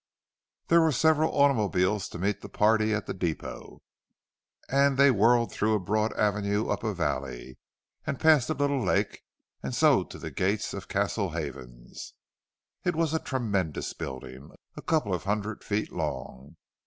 There were several automobiles to meet the party at the depot, and they were whirled through a broad avenue up a valley, and past a little lake, and so to the gates of Castle Havens. It was a tremendous building, a couple of hundred feet long.